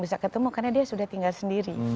bisa ketemu karena dia sudah tinggal sendiri